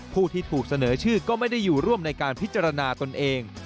ผู้ที่ถูกเสนอชื่อก็ไม่ได้อยู่ร่วมในการพิจารณาตนเอง